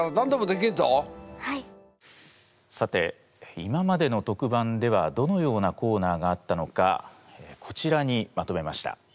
さて今までの特番ではどのようなコーナーがあったのかこちらにまとめました。